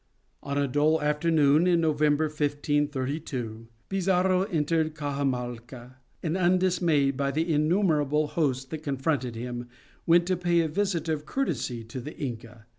On a dull afternoon in November, 1532, Pizarro entered Caxamalca, and undismayed by the innumerable host that confronted him, went to pay a visit of courtesy to the Inca.